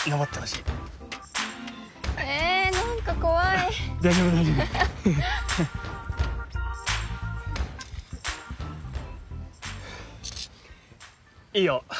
いいよ。